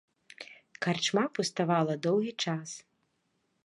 Карчма пуставала доўгі час.